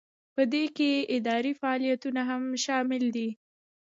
په دې کې اداري فعالیتونه هم شامل دي.